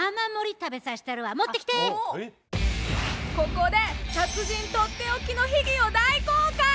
ここで達人とっておきの秘技を大公開！